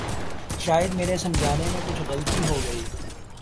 شاید میرے سمجھنے میں کچھ غلطی ہو گئی۔